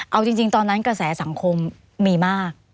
เอาจริงตอนนั้นกระแสสังคมมีมาก